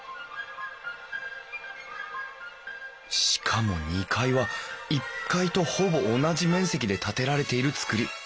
しかも２階は１階とほぼ同じ面積で建てられている造り。